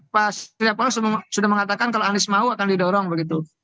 pas setiap hal sudah mengatakan kalau anies mau akan didorong begitu